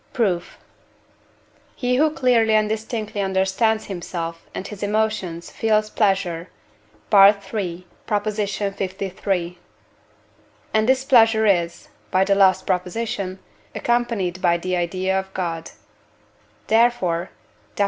Proof. He who clearly and distinctly understands himself and his emotions feels pleasure (III. liii.), and this pleasure is (by the last Prop.) accompanied by the idea of God; therefore (Def.